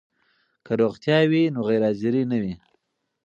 که روغتیا وي نو غیر حاضري نه وي.